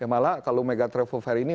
malah kalau mega travel fair ini